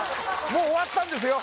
もう終わったんですよ